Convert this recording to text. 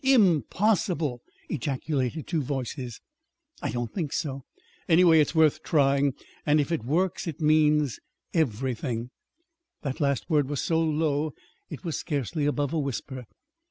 "Impossible!" ejaculated two voices. "I don't think so. Anyway, it's worth trying; and if it works it'll mean everything." The last word was so low it was scarcely above a whisper.